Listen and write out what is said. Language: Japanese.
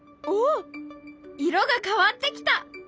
色が変わってきた。